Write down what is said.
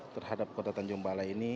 terhadap kota tanjung balai ini